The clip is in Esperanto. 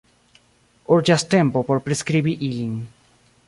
Urĝas tempo por priskribi ilin.